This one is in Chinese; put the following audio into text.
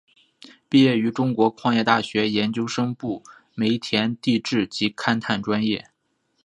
毕业于中国矿业大学研究生部煤田地质及勘探专业。